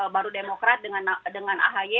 baru demokrat dengan ahy